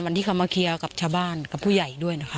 ที่เขามาเคลียร์กับชาวบ้านกับผู้ใหญ่ด้วยนะคะ